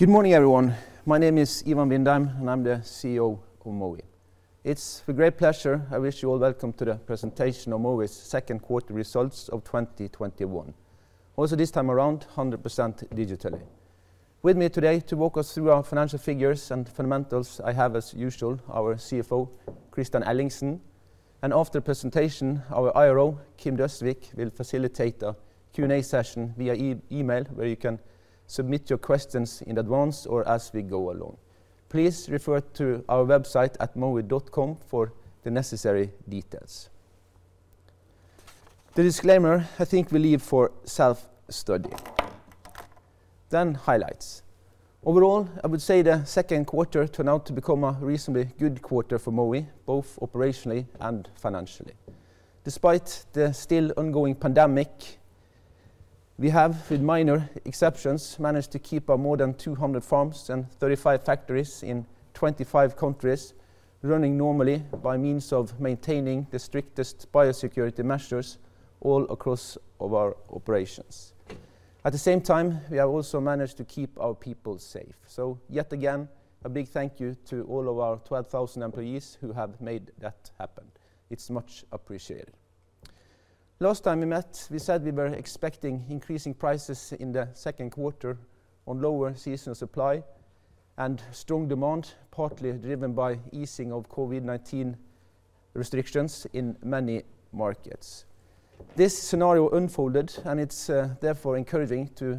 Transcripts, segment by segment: Good morning, everyone. My name is Ivan Vindheim, and I'm the CEO of Mowi. It's with great pleasure I wish you all welcome to the presentation of Mowi's second quarter results of 2021. This time around, 100% digitally. With me today to walk us through our financial figures and fundamentals, I have, as usual, our CFO, Kristian Ellingsen, and after the presentation, our IRO, Kim Døsvig, will facilitate a Q&A session via email where you can submit your questions in advance or as we go along. Please refer to our website at mowi.com for the necessary details. The disclaimer, I think we leave for self-study. Highlights. Overall, I would say the second quarter turned out to become a reasonably good quarter for Mowi, both operationally and financially. Despite the still ongoing pandemic, we have, with minor exceptions, managed to keep our more than 200 farms and 35 factories in 25 countries running normally by means of maintaining the strictest biosecurity measures all across our operations. At the same time, we have also managed to keep our people safe. Yet again, a big thank you to all of our 12,000 employees who have made that happen. It's much appreciated. Last time we met, we said we were expecting increasing prices in the second quarter on lower seasonal supply and strong demand, partly driven by easing of COVID-19 restrictions in many markets. This scenario unfolded, it's therefore encouraging to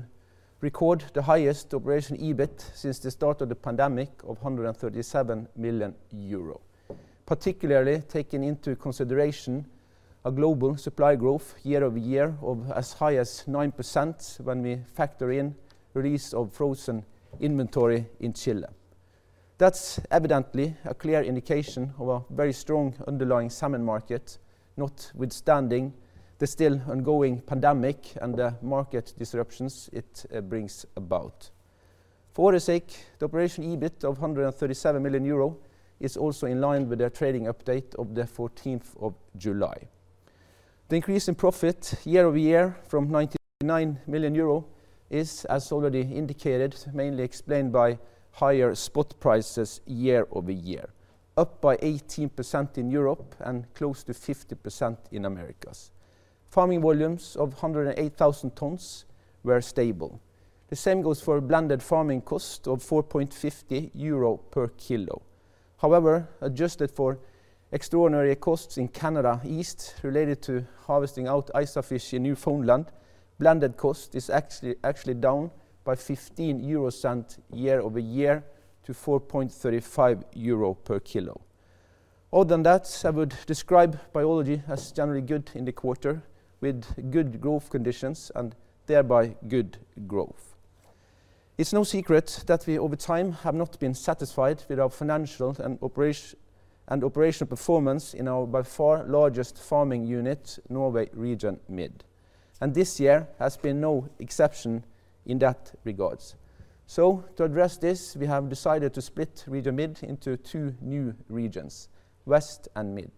record the highest operational EBIT since the start of the pandemic of 137 million euro. Particularly taking into consideration a global supply growth year-over-year of as high as 9% when we factor in release of frozen inventory in Chile. That's evidently a clear indication of a very strong underlying salmon market, notwithstanding the still ongoing pandemic and the market disruptions it brings about. For what it's worth, the operational EBIT of 137 million euro is also in line with the trading update of the 14th of July. The increase in profit year-over-year from 99 million euro is, as already indicated, mainly explained by higher spot prices year-over-year, up by 18% in Europe and close to 50% in the Americas. Farming volumes of 108,000 tons were stable. The same goes for a blended farming cost of 4.50 euro per kilo. However, adjusted for extraordinary costs in Canada East related to harvesting out ISA fish in Newfoundland, blended cost is actually down by 0.15 year-over-year to 4.35 euro per kilo. Other than that, I would describe biology as generally good in the quarter, with good growth conditions and thereby good growth. It's no secret that we, over time, have not been satisfied with our financial and operational performance in our by far largest farming unit, Norway Region Mid, and this year has been no exception in that regard. To address this, we have decided to split Region Mid into two new regions, West and Mid.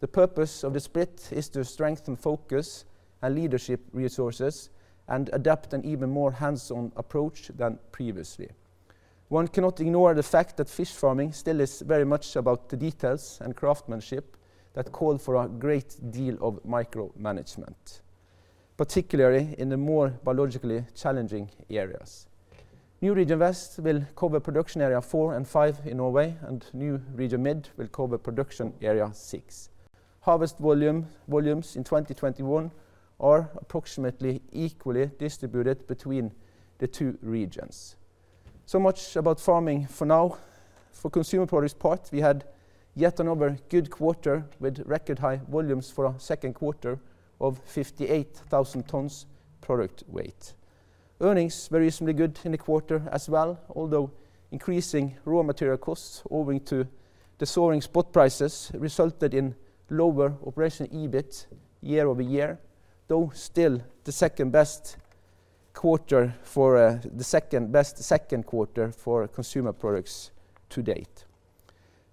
The purpose of the split is to strengthen focus and leadership resources and adopt an even more hands-on approach than previously. One cannot ignore the fact that fish farming still is very much about the details and craftsmanship that call for a great deal of micromanagement, particularly in the more biologically challenging areas. New Region West will cover production Area 4 and 5 in Norway, and new Region Mid will cover production Area 6. Harvest volumes in 2021 are approximately equally distributed between the two regions. So much about farming for now. For Consumer Products' part, we had yet another good quarter with record-high volumes for a second quarter of 58,000 tons product weight. Earnings were reasonably good in the quarter as well, although increasing raw material costs owing to the soaring spot prices resulted in lower operational EBIT year-over-year, though still the second best second quarter for Consumer Products to date.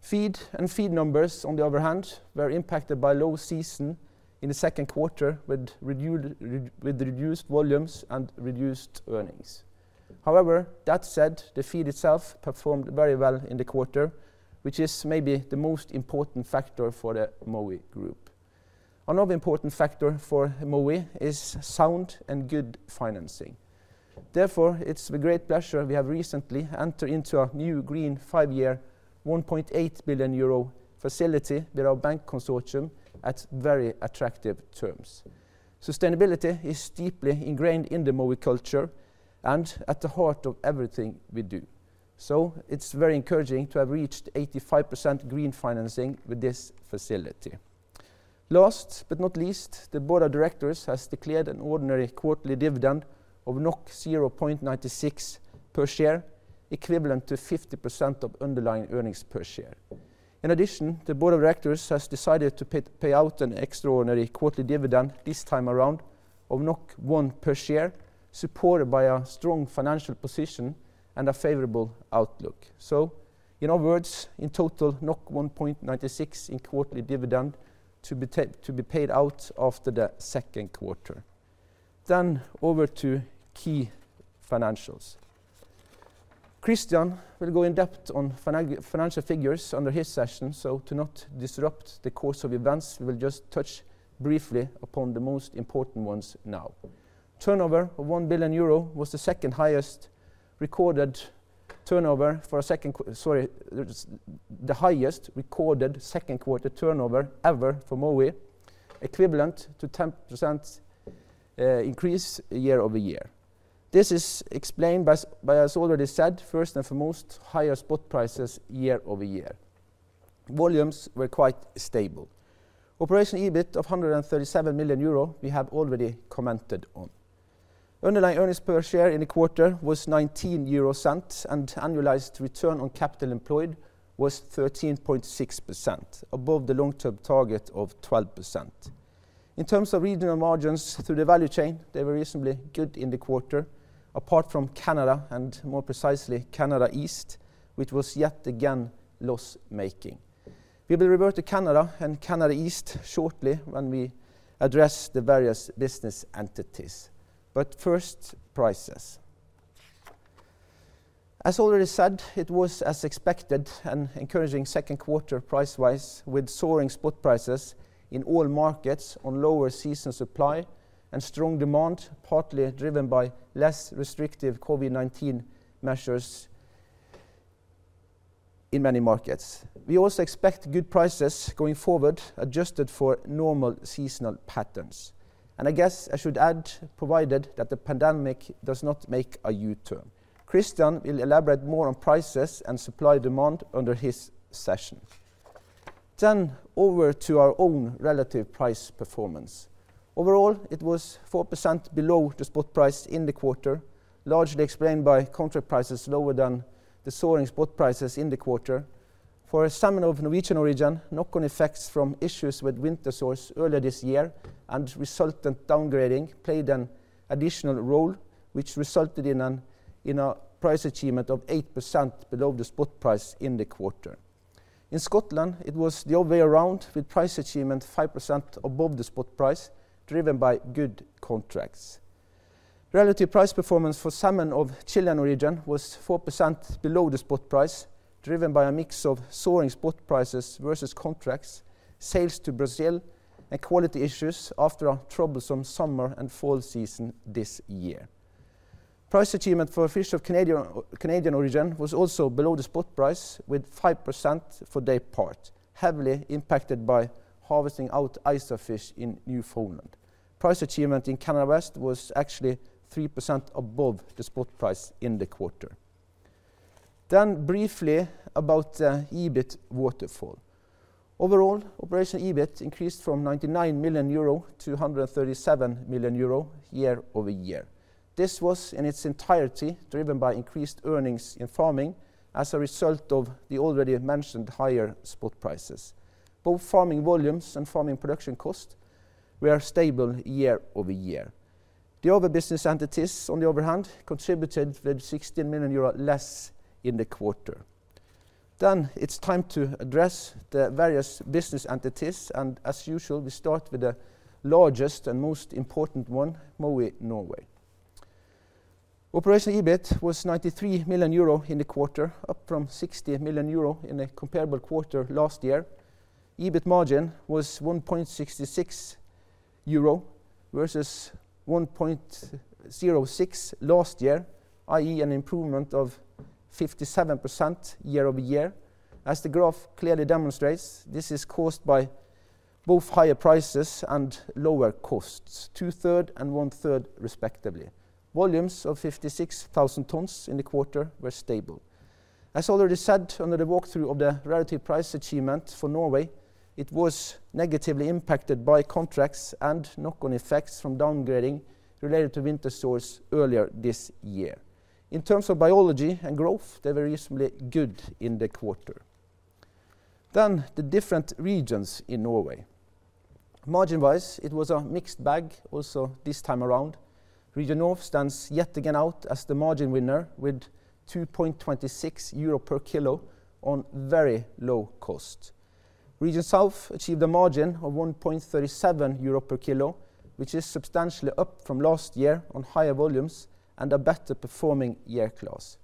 Feed and feed numbers, on the other hand, were impacted by low season in the second quarter with reduced volumes and reduced earnings. That said, the feed itself performed very well in the quarter, which is maybe the most important factor for the Mowi group. Another important factor for Mowi is sound and good financing. It's with great pleasure we have recently entered into a new green five-year, 1.8 billion euro facility with our bank consortium at very attractive terms. Sustainability is deeply ingrained in the Mowi culture and at the heart of everything we do. It's very encouraging to have reached 85% green financing with this facility. Last but not least, the Board of Directors has declared an ordinary quarterly dividend of 0.96 per share, equivalent to 50% of underlying earnings per share. In addition, the Board of Directors has decided to pay out an extraordinary quarterly dividend this time around of 1 per share, supported by a strong financial position and a favorable outlook. In other words, in total, 1.96 in quarterly dividend to be paid out after the second quarter. Over to key financials. Kristian will go in depth on financial figures under his session, so to not disrupt the course of events, we will just touch briefly upon the most important ones now. Turnover of 1 billion euro was the highest recorded second quarter turnover ever for Mowi, equivalent to 10% increase year-over-year. This is explained by, as already said, first and foremost, higher spot prices year-over-year. Volumes were quite stable. Operational EBIT of 137 million euro, we have already commented on. Underlying earnings per share in the quarter was 0.19, and annualized return on capital employed was 13.6%, above the long-term target of 12%. In terms of regional margins through the value chain, they were reasonably good in the quarter, apart from Canada, and more precisely Canada East, which was yet again loss-making. We will revert to Canada and Canada East shortly when we address the various business entities. First, prices. As already said, it was as expected, an encouraging second quarter price-wise, with soaring spot prices in all markets on lower season supply and strong demand, partly driven by less restrictive COVID-19 measures in many markets. We also expect good prices going forward, adjusted for normal seasonal patterns, and I guess I should add, provided that the pandemic does not make a U-turn. Kristian will elaborate more on prices and supply demand under his session. Over to our own relative price performance. Overall, it was 4% below the spot price in the quarter, largely explained by contract prices lower than the soaring spot prices in the quarter. For salmon of Norwegian origin, knock-on effects from issues with winter sores earlier this year and resultant downgrading played an additional role, which resulted in a price achievement of 8% below the spot price in the quarter. In Scotland, it was the other way around, with price achievement 5% above the spot price, driven by good contracts. Relative price performance for salmon of Chilean origin was 4% below the spot price, driven by a mix of soaring spot prices versus contracts, sales to Brazil, and quality issues after a troublesome summer and fall season this year. Price achievement for fish of Canadian origin was also below the spot price, with 5% for their part, heavily impacted by harvesting out ISA fish in Newfoundland. Price achievement in Canada West was actually 3% above the spot price in the quarter. Briefly about the EBIT waterfall. Overall, operational EBIT increased from 99 million euro to 137 million euro year-over-year. This was in its entirety driven by increased earnings in farming as a result of the already mentioned higher spot prices. Both farming volumes and farming production cost were stable year-over-year. The other business entities, on the other hand, contributed with 16 million euro less in the quarter. It's time to address the various business entities, and as usual, we start with the largest and most important one, Mowi Norway. Operational EBIT was 93 million euro in the quarter, up from 60 million euro in the comparable quarter last year. EBIT margin was 1.66 euro versus 1.06 last year, i.e. an improvement of 57% year-over-year. As the graph clearly demonstrates, this is caused by both higher prices and lower costs, two third and one third respectively. Volumes of 56,000 tons in the quarter were stable. As already said, under the walkthrough of the relative price achievement for Norway, it was negatively impacted by contracts and knock-on effects from downgrading related to winter sores earlier this year. In terms of biology and growth, they were reasonably good in the quarter. The different regions in Norway. Margin-wise, it was a mixed bag also this time around. Region North stands yet again out as the margin winner, with 2.26 euro per kilo on very low cost. Region South achieved a margin of 1.37 euro per kilo, which is substantially up from last year on higher volumes and a better performing year class.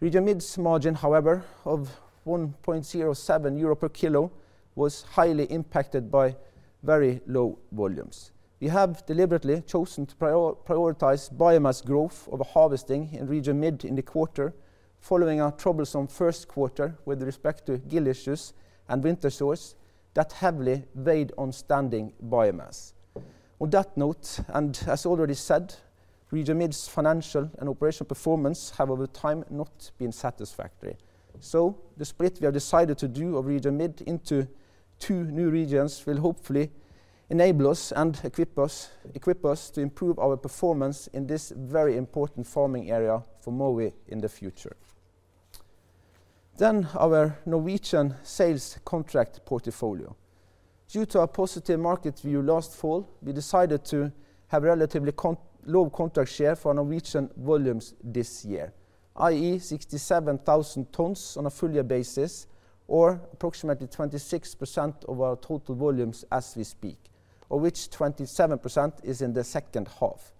Region Mid's margin, however, of 1.07 euro per kilo, was highly impacted by very low volumes. We have deliberately chosen to prioritize biomass growth over harvesting in Region Mid in the quarter, following our troublesome first quarter with respect to gill issues and winter sores that heavily weighed on standing biomass. On that note, and as already said, Region Mid's financial and operational performance have over time not been satisfactory. The split we have decided to do of Region Mid into two new regions will hopefully enable us and equip us to improve our performance in this very important farming area for Mowi in the future. Our Norwegian sales contract portfolio. Due to our positive market view last fall, we decided to have relatively low contract share for Norwegian volumes this year, i.e., 67,000 tons on a full year basis, or approximately 26% of our total volumes as we speak, of which 27% is in the second half.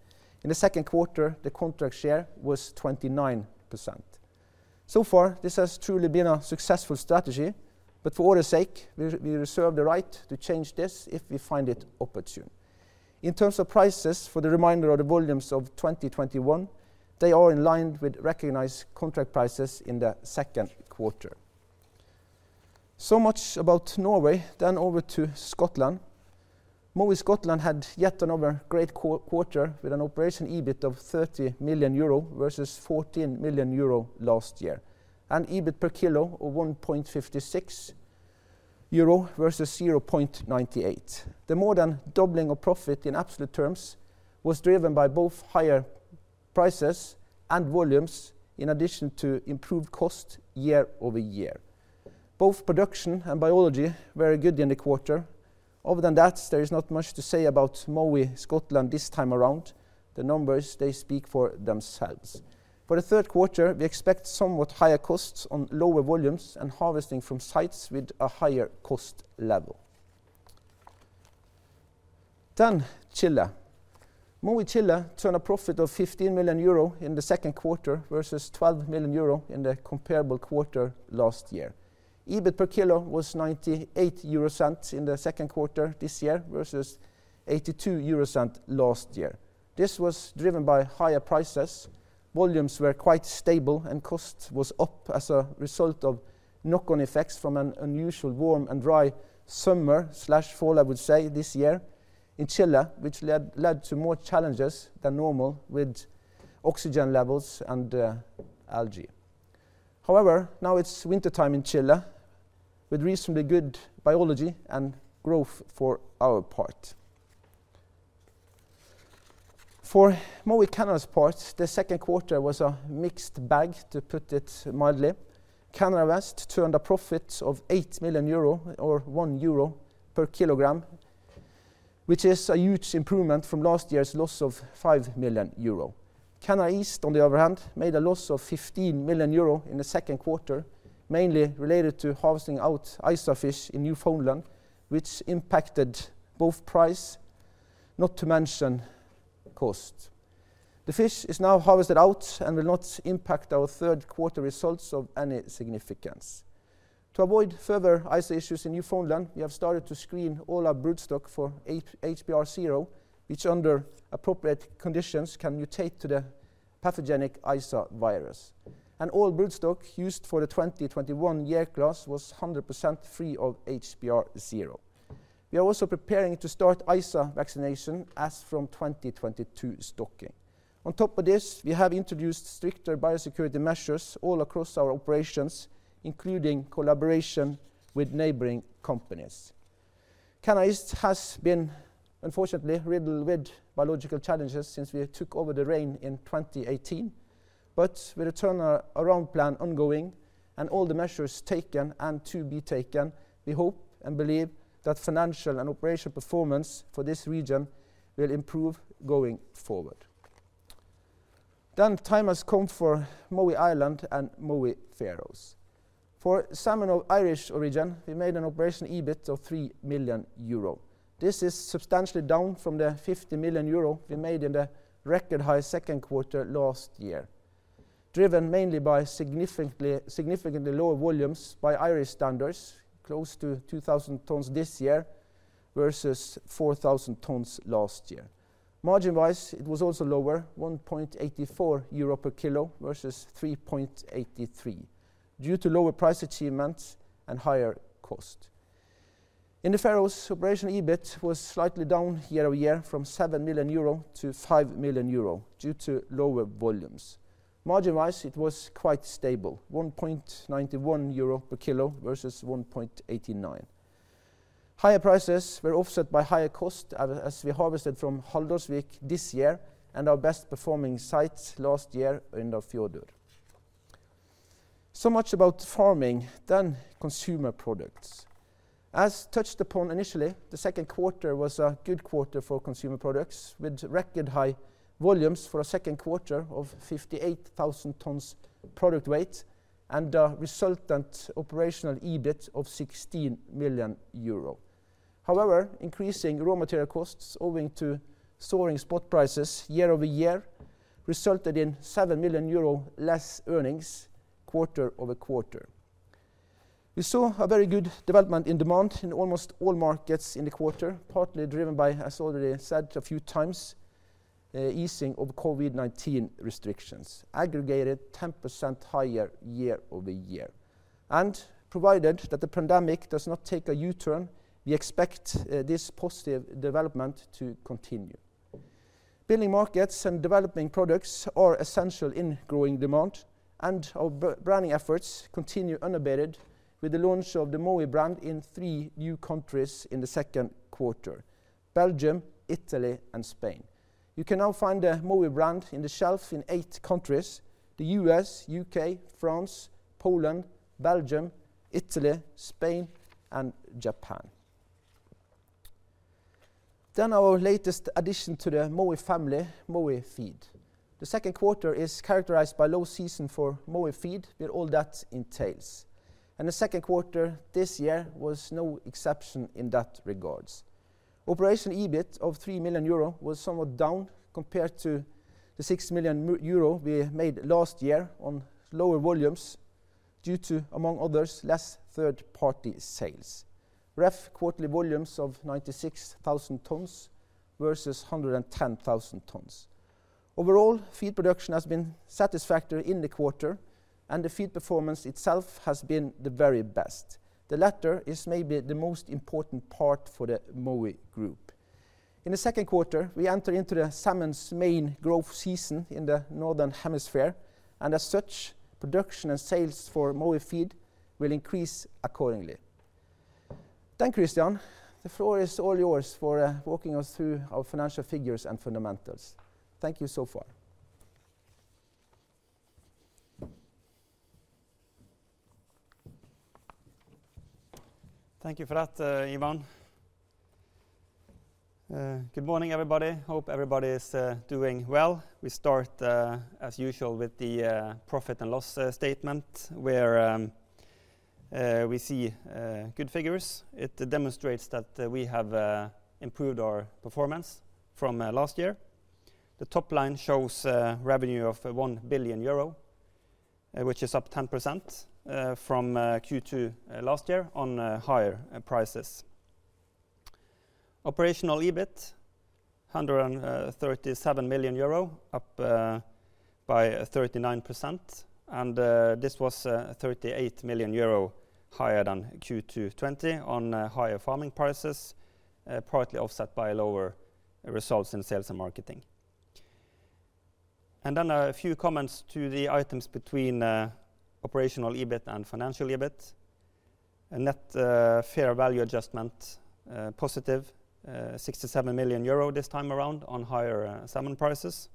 In the second quarter, the contract share was 29%. So far, this has truly been a successful strategy, but for order's sake, we reserve the right to change this if we find it opportune. In terms of prices for the remainder of the volumes of 2021, they are in line with recognized contract prices in the second quarter. So much about Norway. Over to Scotland. Mowi Scotland had yet another great quarter with an operational EBIT of 30 million euro versus 14 million euro last year, and EBIT per kilo of 1.56 euro versus 0.98. The more than doubling of profit in absolute terms was driven by both higher prices and volumes, in addition to improved cost year-over-year. Both production and biology were good in the quarter. Other than that, there is not much to say about Mowi Scotland this time around. The numbers, they speak for themselves. For the third quarter, we expect somewhat higher costs on lower volumes and harvesting from sites with a higher cost level. Chile. Mowi Chile turned a profit of 15 million euro in the second quarter versus 12 million euro in the comparable quarter last year. EBIT per kilo was 0.98 in the second quarter this year versus 0.82 last year. This was driven by higher prices. Volumes were quite stable. Cost was up as a result of knock-on effects from an unusual warm and dry summer/fall, I would say, this year in Chile, which led to more challenges than normal with oxygen levels and algae. Now it's wintertime in Chile, with reasonably good biology and growth for our part. For Mowi Canada's part, the second quarter was a mixed bag, to put it mildly. Canada West turned a profit of 8 million euro or 1 euro per kilogram, which is a huge improvement from last year's loss of 5 million euro. Canada East, on the other hand, made a loss of 15 million euro in the second quarter, mainly related to harvesting out ISA fish in Newfoundland, which impacted both price, not to mention cost. The fish is now harvested out. Will not impact our third-quarter results of any significance. To avoid further ISA issues in Newfoundland, we have started to screen all our broodstock for HPR0, which under appropriate conditions, can mutate to the pathogenic ISA virus. All broodstock used for the 2021 year class was 100% free of HPR0. We are also preparing to start ISA vaccination as from 2022 stocking. On top of this, we have introduced stricter biosecurity measures all across our operations, including collaboration with neighboring companies. Canada East has been unfortunately riddled with biological challenges since we took over the reign in 2018. With a turn-around plan ongoing and all the measures taken and to be taken, we hope and believe that financial and operational performance for this region will improve going forward. The time has come for Mowi Ireland and Mowi Faroes. For salmon of Irish origin, we made an operational EBIT of 3 million euro. This is substantially down from the 50 million euro we made in the record-high second quarter last year, driven mainly by significantly lower volumes by Irish standards, close to 2,000 tons this year versus 4,000 tons last year. Margin-wise, it was also lower, 1.84 euro per kilo versus 3.83 due to lower price achievements and higher cost. In the Faroes, operational EBIT was slightly down year-over-year from 7 million euro to 5 million euro due to lower volumes. Margin-wise, it was quite stable, 1.91 euro per kilo versus 1.89. Higher prices were offset by higher cost as we harvested from Haldarsvík this year and our best-performing sites last year in the fjord. So much about farming. Consumer products. As touched upon initially, the second quarter was a good quarter for Consumer Products, with record-high volumes for a second quarter of 58,000 tons product weight and a resultant operational EBIT of 16 million euro. However, increasing raw material costs owing to soaring spot prices year-over-year resulted in EUR 7 million less earnings quarter-over-quarter. We saw a very good development in demand in almost all markets in the quarter, partly driven by, as already said a few times, easing of COVID-19 restrictions, aggregated 10% higher year-over-year. Provided that the pandemic does not take a U-turn, we expect this positive development to continue. Building markets and developing products are essential in growing demand and our branding efforts continue unabated with the launch of the Mowi brand in three new countries in the second quarter. Belgium, Italy, and Spain. You can now find the Mowi brand in the shelf in eight countries, the U.S., U.K., France, Poland, Belgium, Italy, Spain, and Japan. Our latest addition to the Mowi family, Mowi Feed. The second quarter is characterized by low season for Mowi Feed with all that entails. The second quarter this year was no exception in that regards. Operational EBIT of 3 million euro was somewhat down compared to the 6 million euro we made last year on lower volumes due to, among others, less third-party sales. Rough quarterly volumes of 96,000 tons versus 110,000 tons. Overall, feed production has been satisfactory in the quarter, and the feed performance itself has been the very best. The latter is maybe the most important part for the Mowi group. In the second quarter, we enter into the salmon's main growth season in the northern hemisphere, and as such, production and sales for Mowi Feed will increase accordingly. Kristian, the floor is all yours for walking us through our financial figures and fundamentals. Thank you so far. Thank you for that, Ivan. Good morning, everybody. Hope everybody is doing well. We start, as usual, with the profit and loss statement where we see good figures. It demonstrates that we have improved our performance from last year. The top line shows revenue of 1 billion euro, which is up 10% from Q2 last year on higher prices. Operational EBIT 137 million euro, up by 39%. This was 38 million euro higher than Q2 2020 on higher farming prices, partly offset by lower results in sales and marketing. A few comments to the items between operational EBIT and financial EBIT. Net fair value adjustment, positive, 67 million euro this time around on higher salmon prices.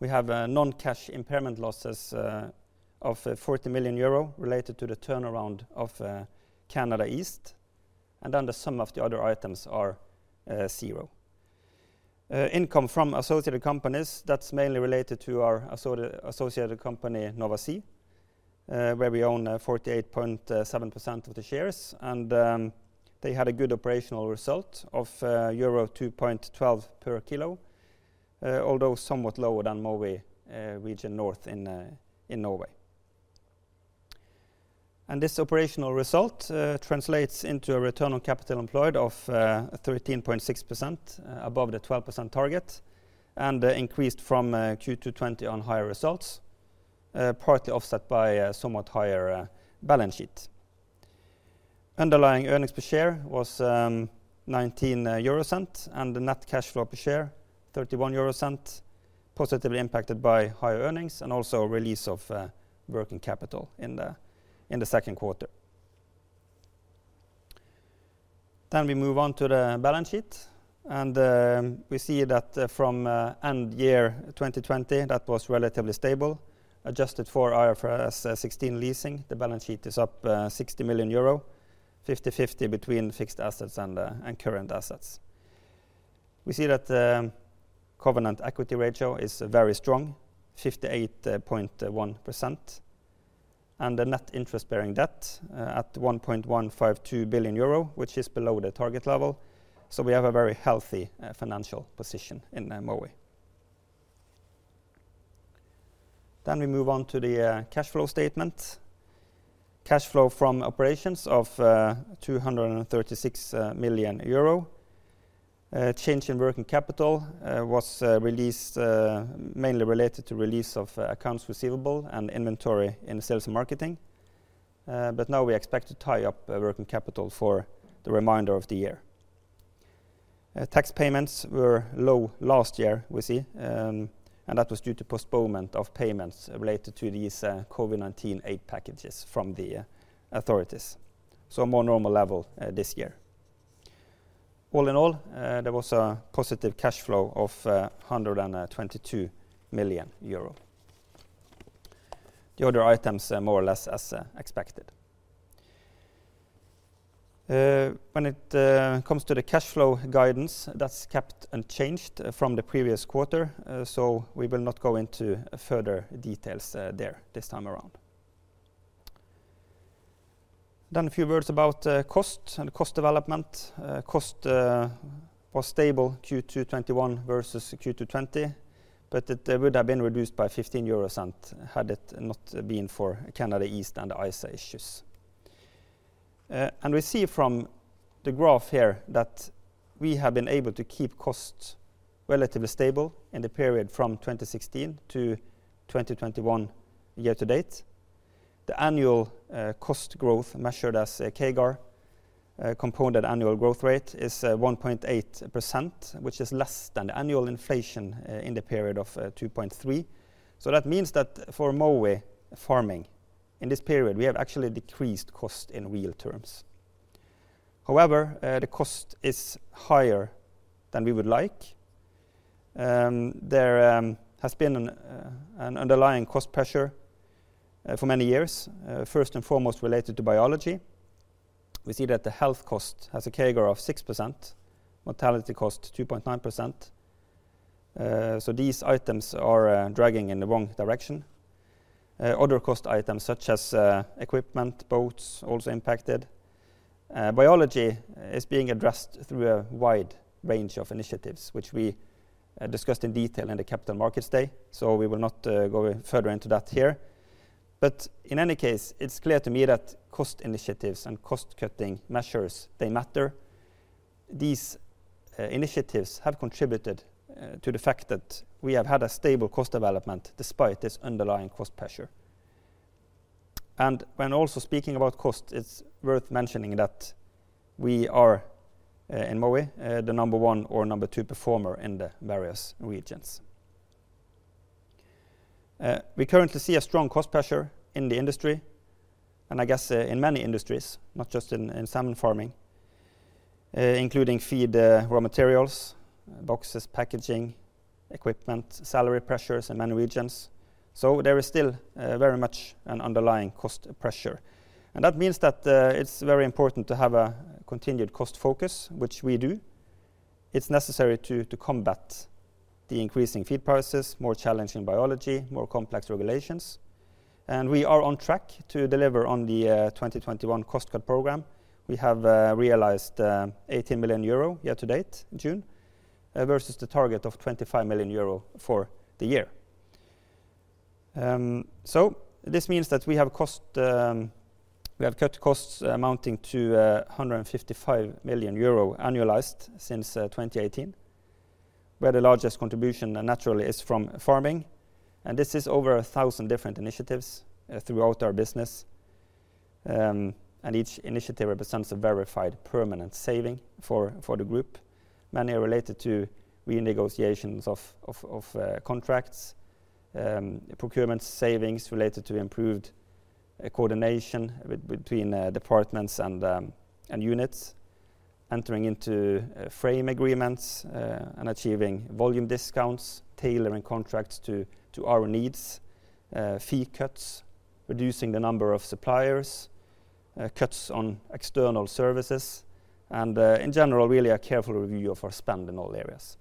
We have non-cash impairment losses of 40 million euro related to the turnaround of Canada East, and then the sum of the other items are zero. Income from associated companies, that's mainly related to our associated company, Nova Sea, where we own 48.7% of the shares, and they had a good operational result of euro 2.12 per kilo, although somewhat lower than Mowi Region North in Norway. This operational result translates into a return on capital employed of 13.6% above the 12% target and increased from Q2 2020 on higher results, partly offset by a somewhat higher balance sheet. Underlying earnings per share was 0.19, and the net cash flow per share, 0.31, positively impacted by higher earnings and also a release of working capital in the second quarter. We move on to the balance sheet. We see that from end year 2020, that was relatively stable. Adjusted for IFRS 16 leasing, the balance sheet is up 60 million euro, 50/50 between fixed assets and current assets. We see that the covenant equity ratio is very strong, 58.1%, and the net interest-bearing debt at 1.152 billion euro, which is below the target level. We have a very healthy financial position in Mowi. We move on to the cash flow statement. Cash flow from operations of 236 million euro. Change in working capital was mainly related to release of accounts receivable and inventory in sales and marketing. Now we expect to tie up working capital for the remainder of the year. Tax payments were low last year, we see. That was due to postponement of payments related to these COVID-19 aid packages from the authorities. A more normal level this year. All in all, there was a positive cash flow of 122 million euro. The other items are more or less as expected. When it comes to the cash flow guidance, that's kept unchanged from the previous quarter, so we will not go into further details there this time around. A few words about cost and cost development. Cost was stable Q2 2021 versus Q2 2020, but it would have been reduced by 0.15 euros had it not been for Canada East and the ISA issues. We see from the graph here that we have been able to keep costs relatively stable in the period from 2016 to 2021 year-to-date. The annual cost growth measured as CAGR, compounded annual growth rate, is 1.8%, which is less than the annual inflation in the period of 2.3%. That means that for Mowi farming in this period, we have actually decreased cost in real terms. However, the cost is higher than we would like. There has been an underlying cost pressure for many years, first and foremost related to biology. We see that the health cost has a CAGR of 6%, mortality cost 2.9%. These items are dragging in the wrong direction. Other cost items such as equipment, boats, also impacted. Biology is being addressed through a wide range of initiatives, which we discussed in detail in the Capital Markets Day, so we will not go further into that here. In any case, it's clear to me that cost initiatives and cost-cutting measures, they matter. These initiatives have contributed to the fact that we have had a stable cost development despite this underlying cost pressure. When also speaking about cost, it's worth mentioning that we are, in Mowi, the number one or number two performer in the various regions. We currently see a strong cost pressure in the industry, and I guess in many industries, not just in salmon farming, including feed raw materials, boxes, packaging, equipment, salary pressures in many regions. There is still very much an underlying cost pressure. That means that it's very important to have a continued cost focus, which we do. It's necessary to combat the increasing feed prices, more challenging biology, more complex regulations. We are on track to deliver on the 2021 Cost Cut Program. We have realized 18 million euro year to date, June, versus the target of 25 million euro for the year. This means that we have cut costs amounting to 155 million euro annualized since 2018, where the largest contribution naturally is from farming. This is over 1,000 different initiatives throughout our business. Each initiative represents a verified permanent saving for the group. Many are related to renegotiations of contracts, procurement savings related to improved coordination between departments and units, entering into frame agreements, and achieving volume discounts, tailoring contracts to our needs, fee cuts, reducing the number of suppliers, cuts on external services, and in general, really a careful review of our spend in all areas.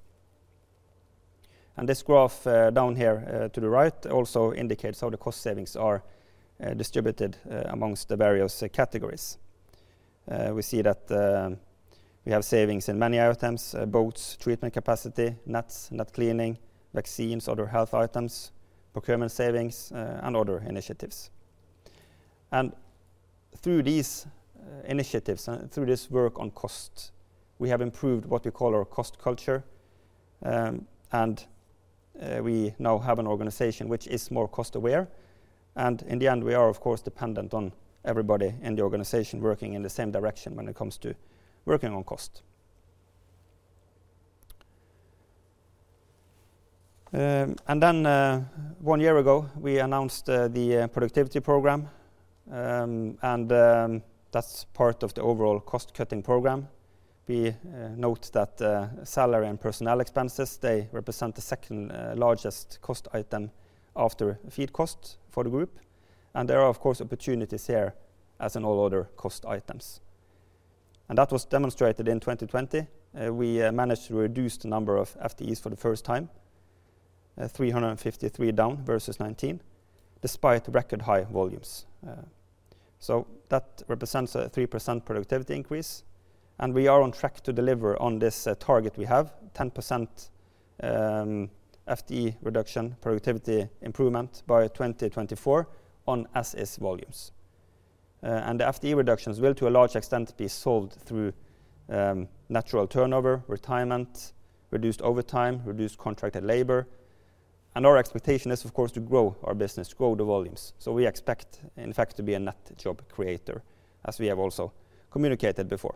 This graph down here to the right also indicates how the cost savings are distributed amongst the various categories. We see that we have savings in many items, boats, treatment capacity, nets, net cleaning, vaccines, other health items, procurement savings, and other initiatives. Through these initiatives and through this work on cost, we have improved what we call our cost culture. We now have an organization which is more cost aware. In the end, we are of course dependent on everybody in the organization working in the same direction when it comes to working on cost. one year ago, we announced the productivity program, and that's part of the overall cost-cutting program. We note that salary and personnel expenses, they represent the second-largest cost item after feed cost for the group. There are of course opportunities here as in all other cost items. That was demonstrated in 2020. We managed to reduce the number of FTEs for the first time, 353 down versus 2019, despite record high volumes. That represents a 3% productivity increase, and we are on track to deliver on this target we have, 10% FTE reduction productivity improvement by 2024 on as is volumes. The FTE reductions will, to a large extent, be solved through natural turnover, retirement, reduced overtime, reduced contracted labor. Our expectation is, of course, to grow our business, grow the volumes. We expect, in fact, to be a net job creator, as we have also communicated before.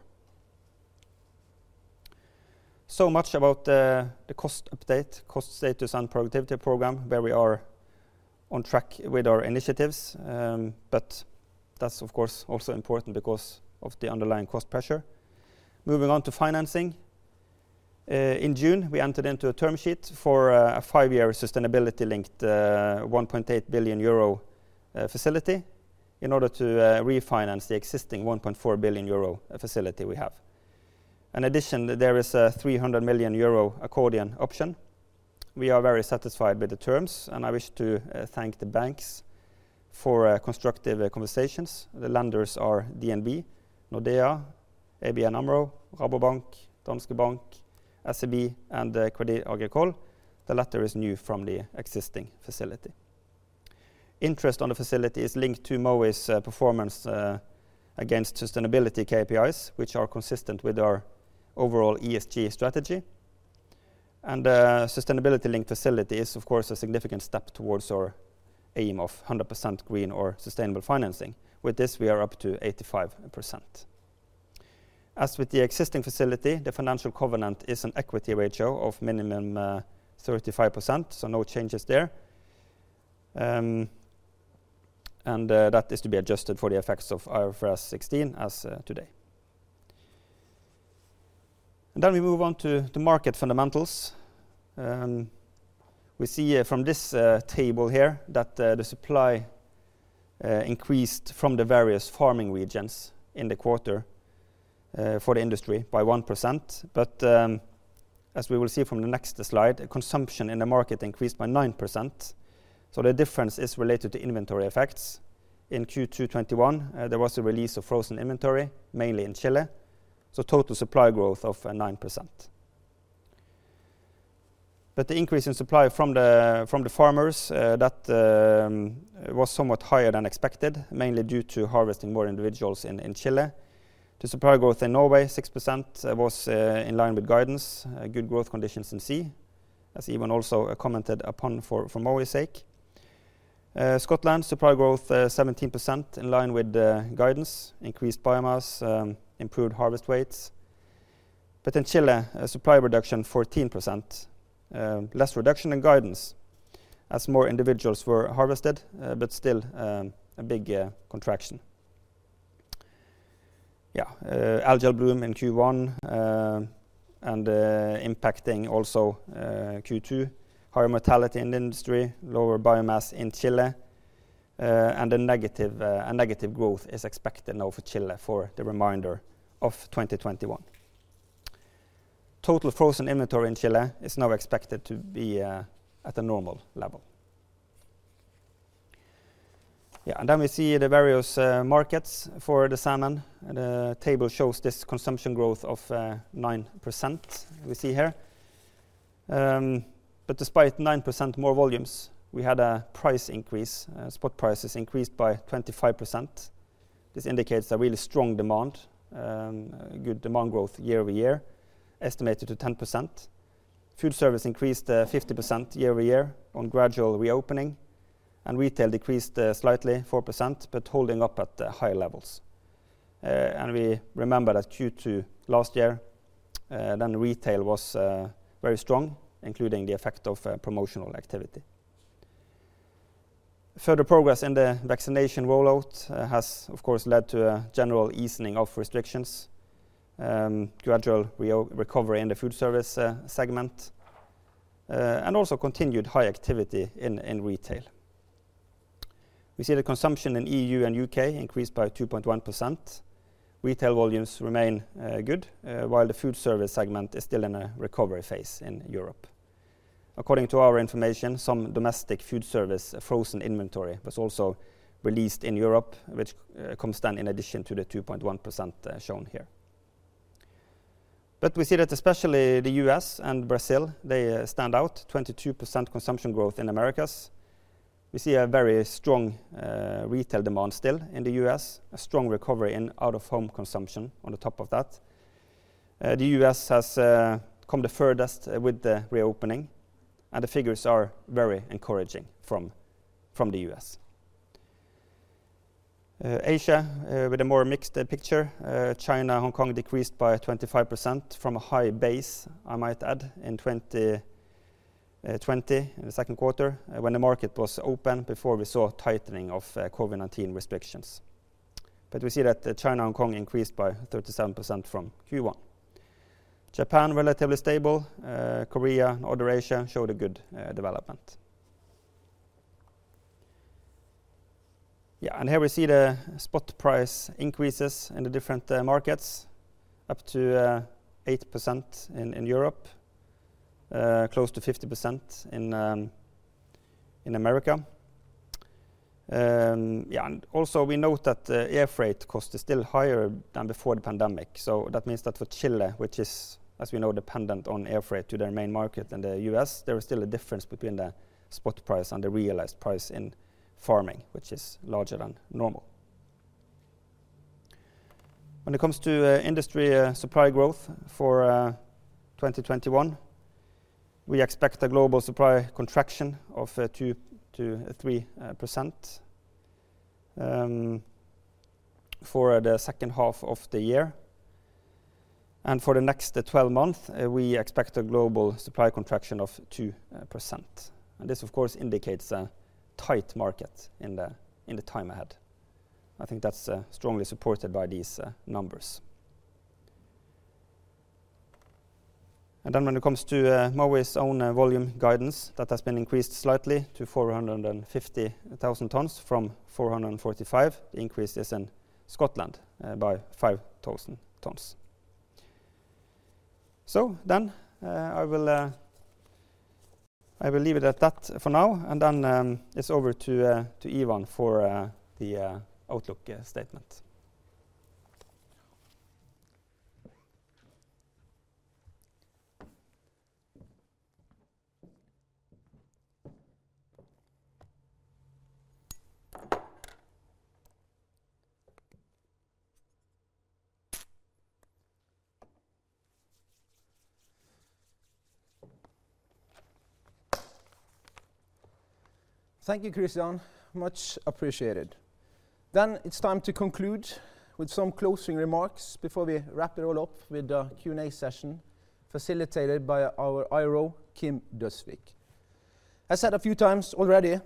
Much about the cost update, cost status, and Productivity Program, where we are on track with our initiatives. That's of course also important because of the underlying cost pressure. Moving on to financing. In June, we entered into a term sheet for a five-year sustainability-linked 1.8 billion euro facility in order to refinance the existing 1.4 billion euro facility we have. In addition, there is a 300 million euro accordion option. We are very satisfied with the terms, and I wish to thank the banks for constructive conversations. The lenders are DNB, Nordea, ABN AMRO, Rabobank, Danske Bank, SEB, and Crédit Agricole. The latter is new from the existing facility. Interest on the facility is linked to Mowi's performance against sustainability KPIs, which are consistent with our overall ESG strategy. A sustainability-linked facility is of course a significant step towards our aim of 100% green or sustainable financing. With this, we are up to 85%. As with the existing facility, the financial covenant is an equity ratio of minimum 35%, so no changes there. That is to be adjusted for the effects of IFRS 16 as today. We move on to the market fundamentals. We see from this table here that the supply increased from the various farming regions in the quarter for the industry by 1%. As we will see from the next slide, consumption in the market increased by 9%. The difference is related to inventory effects. In Q2 2021, there was a release of frozen inventory, mainly in Chile. Total supply growth of 9%. The increase in supply from the farmers, that was somewhat higher than expected, mainly due to harvesting more individuals in Chile. The supply growth in Norway, 6%, was in line with guidance. Good growth conditions in sea, as Ivan also commented upon for Mowi's sake. Scotland supply growth 17% in line with the guidance, increased biomass, improved harvest weights. In Chile, supply reduction 14%, less reduction in guidance as more individuals were harvested. Still a big contraction. Yeah. algal bloom in Q1 impacting also Q2. Higher mortality in the industry, lower biomass in Chile, a negative growth is expected now for Chile for the remainder of 2021. Total frozen inventory in Chile is now expected to be at a normal level. Yeah, then we see the various markets for the salmon. The table shows this consumption growth of 9%, we see here. Despite 9% more volumes, we had a price increase. Spot prices increased by 25%. This indicates a really strong demand, good demand growth year-over-year, estimated to 10%. Food service increased 50% year-over-year on gradual reopening, retail decreased slightly 4%, holding up at high levels. We remember that Q2 last year, retail was very strong, including the effect of promotional activity. Further progress in the vaccination rollout has, of course, led to a general easing of restrictions. Gradual recovery in the food service segment, also continued high activity in retail. We see the consumption in E.U. and U.K. increased by 2.1%. Retail volumes remain good, while the food service segment is still in a recovery phase in Europe. According to our information, some domestic food service frozen inventory was also released in Europe, which comes then in addition to the 2.1% shown here. We see that especially the U.S. and Brazil, they stand out, 22% consumption growth in Americas. We see a very strong retail demand still in the U.S., a strong recovery in out-of-home consumption on the top of that. The U.S. has come the furthest with the reopening, and the figures are very encouraging from the U.S. Asia with a more mixed picture. China, Hong Kong decreased by 25% from a high base, I might add, in 2020, in the second quarter, when the market was open, before we saw tightening of COVID-19 restrictions. We see that China, Hong Kong increased by 37% from Q1. Japan, relatively stable. Korea, Other Asia showed a good development. Here we see the spot price increases in the different markets, up to 8% in Europe, close to 50% in America. Also we note that the air freight cost is still higher than before the pandemic. That means that for Chile, which is, as we know, dependent on air freight to their main market in the U.S., there is still a difference between the spot price and the realized price in farming, which is larger than normal. When it comes to industry supply growth for 2021, we expect a global supply contraction of 2%-3% for the second half of the year. For the next 12 months, we expect a global supply contraction of 2%. This, of course, indicates a tight market in the time ahead. I think that's strongly supported by these numbers. When it comes to Mowi's own volume guidance, that has been increased slightly to 450,000 tons from 445, the increase is in Scotland by 5,000 tons. I will leave it at that for now. It's over to Ivan for the outlook statement. Thank you, Kristian. Much appreciated. It's time to conclude with some closing remarks before we wrap it all up with a Q&A session facilitated by our IRO, Kim Døsvig. As said a few times already,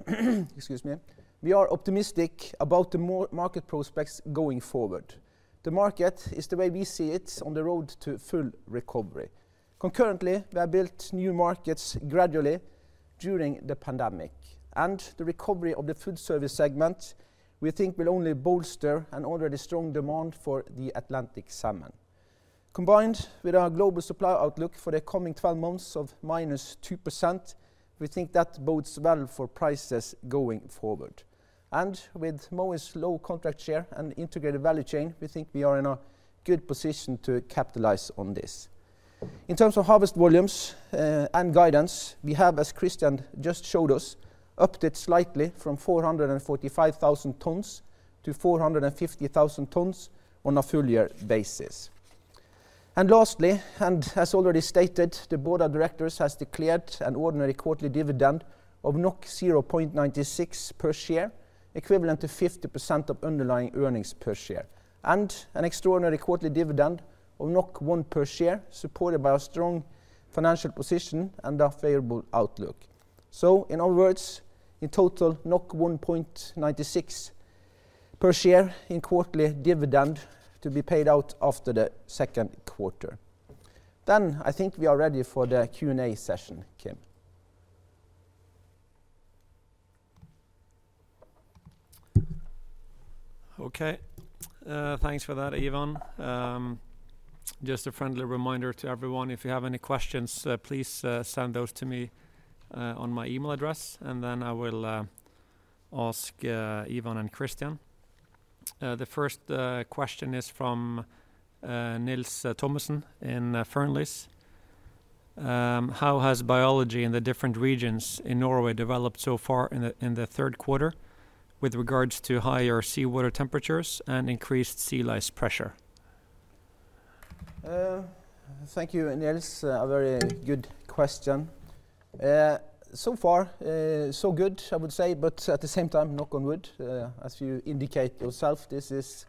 excuse me, we are optimistic about the market prospects going forward. The market is the way we see it on the road to full recovery. Concurrently, we have built new markets gradually during the pandemic, and the recovery of the food service segment we think will only bolster an already strong demand for the Atlantic salmon. Combined with our global supply outlook for the coming 12 months of -2%, we think that bodes well for prices going forward. With Mowi's low contract share and integrated value chain, we think we are in a good position to capitalize on this. In terms of harvest volumes and guidance, we have, as Kristian just showed us, upped it slightly from 445,000 tons to 450,000 tons on a full year basis. Lastly, as already stated, the Board of Directors has declared an ordinary quarterly dividend of 0.96 per share, equivalent to 50% of underlying earnings per share, and an extraordinary quarterly dividend of 1 per share, supported by our strong financial position and our favorable outlook. In other words, in total, 1.96 per share in quarterly dividend to be paid out after the second quarter. I think we are ready for the Q&A session, Kim. Okay. Thanks for that, Ivan. Just a friendly reminder to everyone, if you have any questions, please send those to me on my email address, and then I will ask Ivan and Kristian. The first question is from Nils Thommesen in Fearnleys. How has biology in the different regions in Norway developed so far in the third quarter with regards to higher seawater temperatures and increased sea lice pressure? Thank you, Nils. A very good question. So far so good, I would say, but at the same time, knock on wood, as you indicate yourself, this is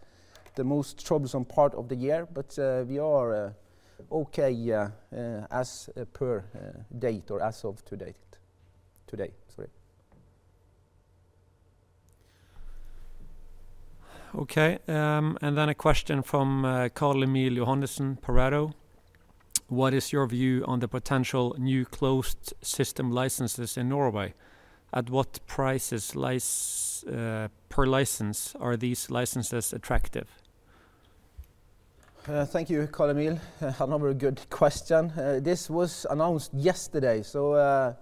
the most troublesome part of the year. We are okay as per date or as of to date. Today, sorry. Okay. A question from Carl-Emil Johannessen, Pareto. What is your view on the potential new closed system licenses in Norway? At what prices per license are these licenses attractive? Thank you, Carl-Emil. Another good question. This was announced yesterday, on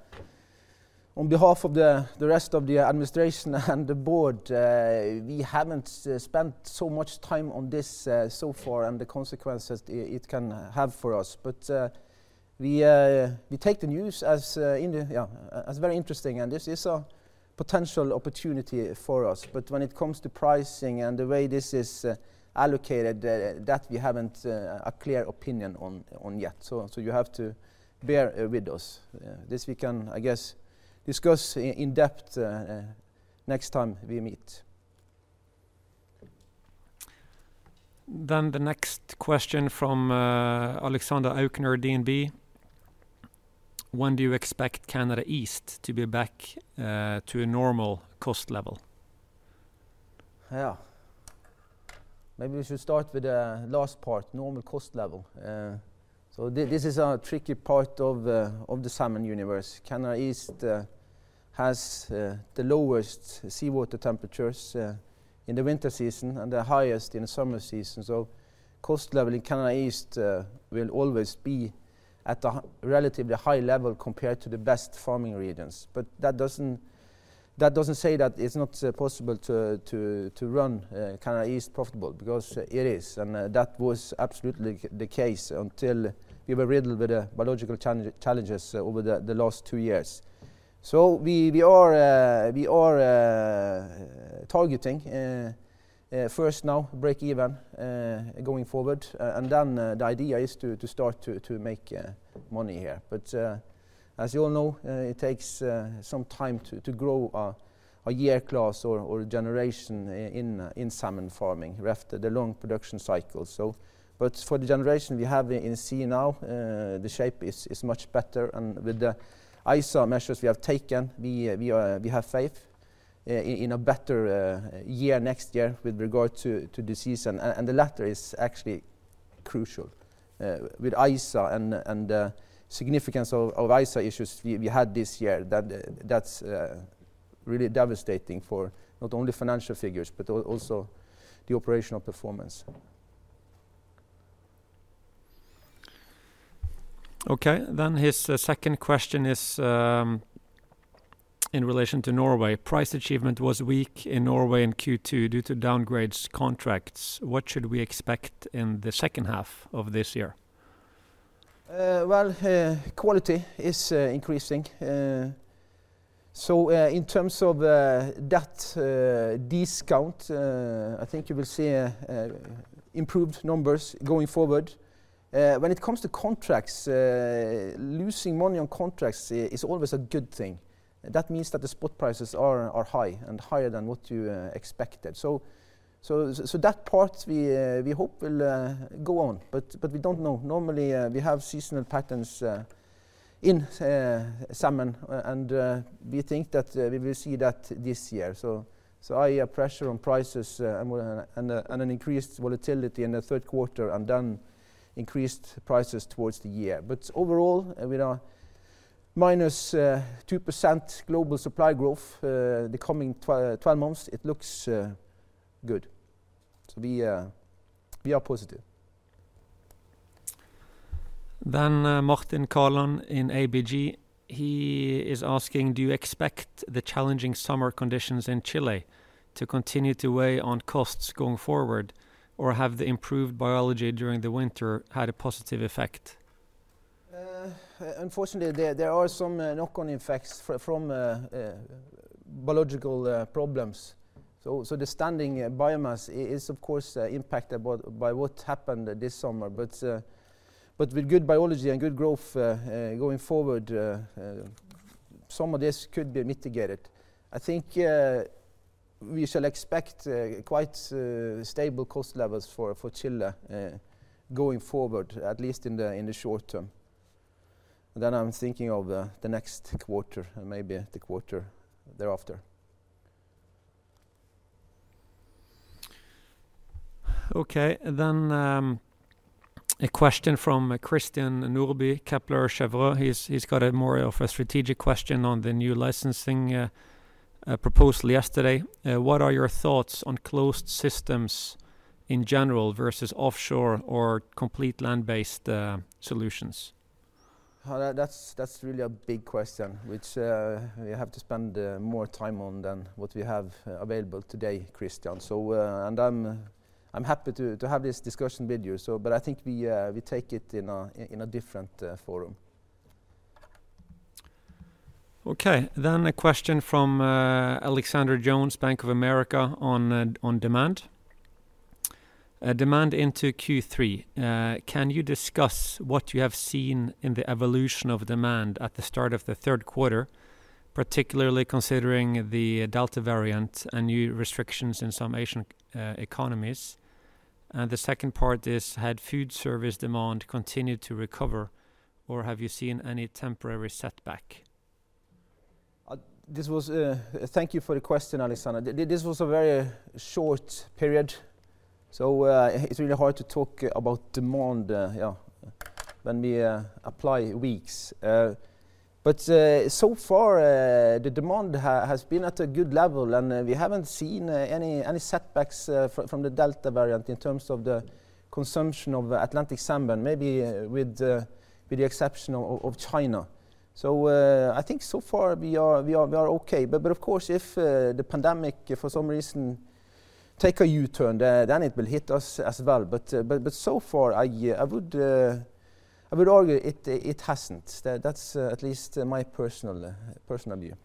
behalf of the rest of the administration and the board, we haven't spent so much time on this so far and the consequences it can have for us. We take the news as very interesting and this is a potential opportunity for us. When it comes to pricing and the way this is allocated, that we haven't a clear opinion on yet. You have to bear with us. This we can, I guess, discuss in depth next time we meet. The next question from Alexander Aukner, DNB. When do you expect Canada East to be back to a normal cost level? Yeah. Maybe we should start with the last part, normal cost level. This is a tricky part of the salmon universe. Canada East has the lowest seawater temperatures in the winter season and the highest in the summer season. Cost level in Canada East will always be at a relatively high level compared to the best farming regions. That doesn't say that it's not possible to run Canada East profitable, because it is, and that was absolutely the case until we were riddled with biological challenges over the last two years. We are targeting first now breakeven going forward, and then the idea is to start to make money here. As you all know, it takes some time to grow a year class or a generation in salmon farming. We have the long production cycle. For the generation we have in sea now, the shape is much better, and with the ISA measures we have taken, we have faith in a better year next year with regard to disease, and the latter is actually crucial. With ISA and the significance of ISA issues we had this year, that's really devastating for not only financial figures but also the operational performance. Okay. His second question is in relation to Norway. Price achievement was weak in Norway in Q2 due to downgrades contracts. What should we expect in the second half of this year? Well, quality is increasing. In terms of that discount, I think you will see improved numbers going forward. When it comes to contracts, losing money on contracts is always a good thing. That means that the spot prices are high and higher than what you expected. That part we hope will go on, but we don't know. Normally, we have seasonal patterns in salmon, and we think that we will see that this year. Higher pressure on prices and an increased volatility in the third quarter, and then increased prices towards the year. Overall, with a -2% global supply growth the coming 12 months, it looks good. We are positive. Martin Kaland in ABG, he is asking, "Do you expect the challenging summer conditions in Chile to continue to weigh on costs going forward, or have the improved biology during the winter had a positive effect? Unfortunately, there are some knock-on effects from biological problems. The standing biomass is, of course, impacted by what happened this summer. With good biology and good growth going forward, some of this could be mitigated. I think we shall expect quite stable cost levels for Chile going forward, at least in the short term. I'm thinking of the next quarter and maybe the quarter thereafter. Okay, a question from Christian Nordby, Kepler Cheuvreux. He's got more of a strategic question on the new licensing proposal yesterday. What are your thoughts on closed systems in general versus offshore or complete land-based solutions? That's really a big question, which we have to spend more time on than what we have available today, Christian. I'm happy to have this discussion with you, but I think we take it in a different forum. Okay. A question from Alexander Jones, Bank of America, on demand. "Demand into Q3. Can you discuss what you have seen in the evolution of demand at the start of the third quarter, particularly considering the Delta variant and new restrictions in some Asian economies?" The second part is, "Had food service demand continued to recover, or have you seen any temporary setback? Thank you for the question, Alexander. This was a very short period, so it's really hard to talk about demand when we apply weeks. So far, the demand has been at a good level, and we haven't seen any setbacks from the Delta variant in terms of the consumption of Atlantic salmon, maybe with the exception of China. I think so far we are okay. Of course, if the pandemic, for some reason, take a U-turn, then it will hit us as well. So far, I would argue it hasn't. That's at least my personal view.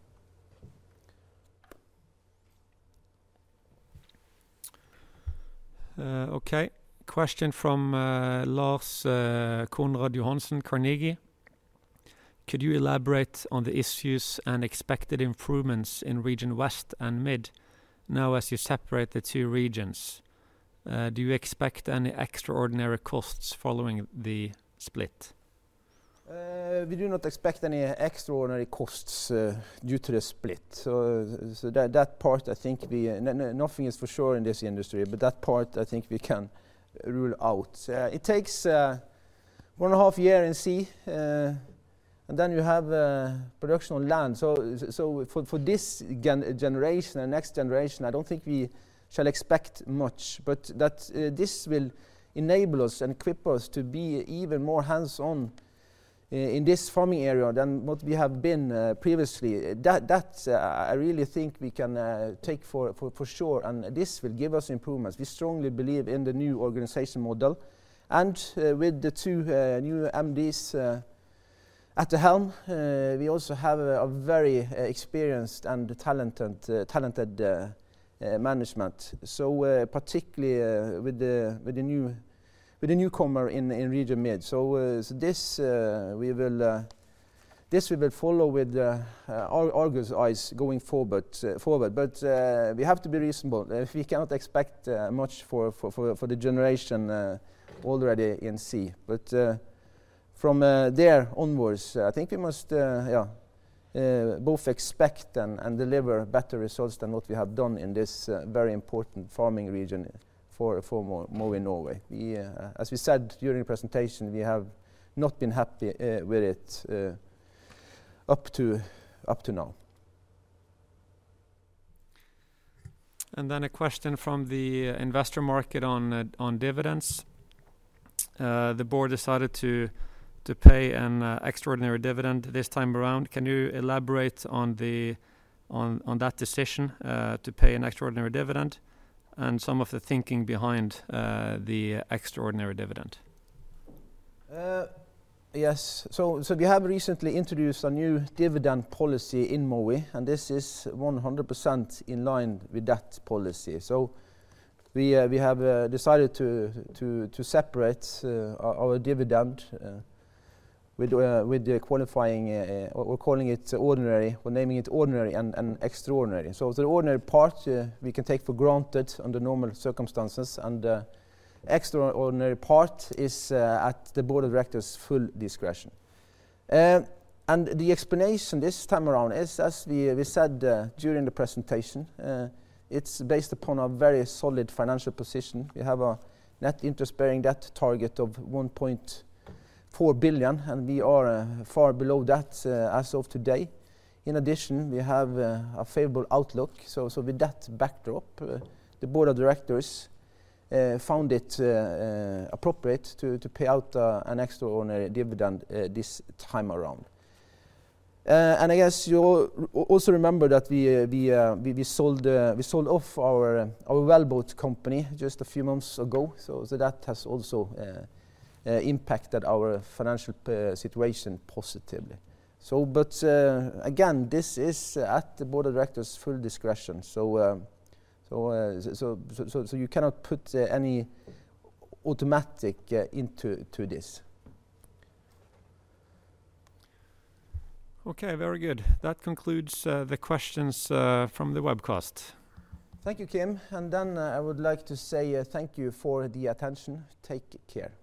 Okay. Question from Lars Konrad Johnsen, Carnegie. "Could you elaborate on the issues and expected improvements in Region West and Mid now as you separate the two regions? Do you expect any extraordinary costs following the split? We do not expect any extraordinary costs due to the split. Nothing is for sure in this industry, but that part, I think we can rule out. It takes 1.5 year in sea, and then you have production on land. For this generation and next generation, I don't think we shall expect much. This will enable us and equip us to be even more hands-on in this farming area than what we have been previously. That, I really think we can take for sure, and this will give us improvements. We strongly believe in the new organization model. With the two new MDs at the helm, we also have a very experienced and talented management, particularly with the newcomer in Region Mid. This we will follow with eagle eyes going forward. We have to be reasonable. We cannot expect much for the generation already in sea. From there onwards, I think we must both expect and deliver better results than what we have done in this very important farming region for Mowi Norway. As we said during the presentation, we have not been happy with it up to now. A question from the investor market on dividends. "The board decided to pay an extraordinary dividend this time around. Can you elaborate on that decision to pay an extraordinary dividend and some of the thinking behind the extraordinary dividend? Yes. We have recently introduced a new dividend policy in Mowi, and this is 100% in line with that policy. We have decided to separate our dividend with the qualifying, we're naming it ordinary and extraordinary. The ordinary part we can take for granted under normal circumstances, and the extraordinary part is at the Board of Directors' full discretion. The explanation this time around is, as we said during the presentation, it's based upon a very solid financial position. We have a net interest-bearing debt target of 1.4 billion, and we are far below that as of today. In addition, we have a favorable outlook. With that backdrop, the Board of Directors found it appropriate to pay out an extraordinary dividend this time around. I guess you also remember that we sold off our wellboat company just a few months ago, so that has also impacted our financial situation positively. Again, this is at the Board of Directors' full discretion. You cannot put any automatic into this. Okay. Very good. That concludes the questions from the webcast. Thank you, Kim. I would like to say thank you for the attention. Take care.